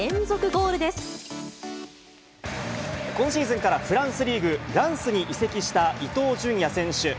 ゴ今シーズンからフランスリーグ・ランスに移籍した伊東純也選手。